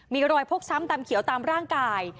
มีรอยพกซ้ำตามเขียวตามร่างกาย